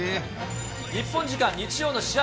日本時間日曜の試合